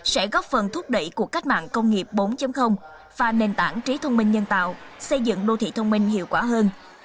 sẽ góp phần thúc đẩy cuộc cách mạng công nghiệp bốn và nền tảng trí thông minh nhân tạo xây dựng đô thị thông minh hiệu quả hơn